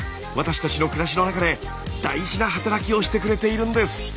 私たちの暮らしの中で大事な働きをしてくれているんです。